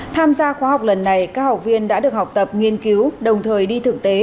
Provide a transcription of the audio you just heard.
tham gia khóa học lần này các học viên đã được học tập nghiên cứu đồng thời đi thực tế